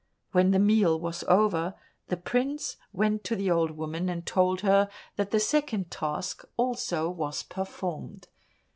When the meal was over, the prince went to the old woman, and told her that the second task also was performed.